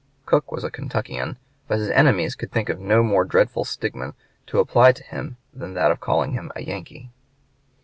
Cook was a Kentuckian, but his enemies could think of no more dreadful stigma to apply to him than that of calling him a Yankee.